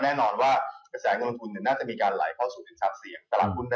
ดังนั้นก็แสงงานบริษัทของเราจะเกิดถาดเสียง